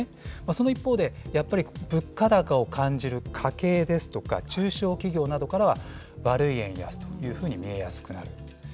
その一方で、やはり物価高を感じる家計ですとか、中小企業などからは悪い円安というふうに見えやすくなる。